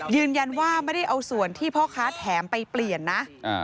ยืนยันว่าไม่ได้เอาส่วนที่พ่อค้าแถมไปเปลี่ยนนะ